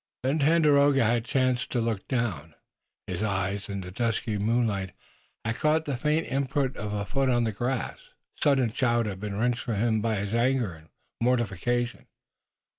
Then Tandakora had chanced to look down. His eye in the dusky moonlight had caught the faint imprint of a foot on the grass, perhaps Robert's own, and the sudden shout had been wrenched from him by his anger and mortification.